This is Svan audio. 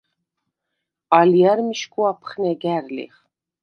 ალჲა̈რ მიშგუ აფხნეგა̈რ ლიხ.